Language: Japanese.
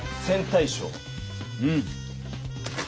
うん。